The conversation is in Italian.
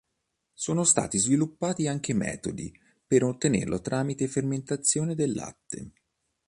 Sono stati sviluppati anche metodi per ottenerlo tramite fermentazione del latte.